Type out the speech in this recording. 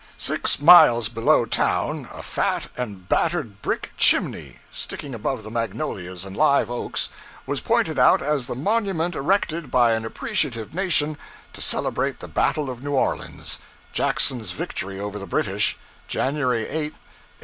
Six miles below town a fat and battered brick chimney, sticking above the magnolias and live oaks, was pointed out as the monument erected by an appreciative nation to celebrate the battle of New Orleans Jackson's victory over the British, January 8, 1815.